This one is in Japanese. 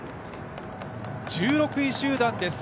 １６位集団です。